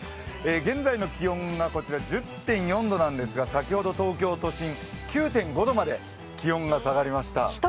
現在の気温が１０．４度なんですが、先ほど東京都心９．５度まで気温が下がりました。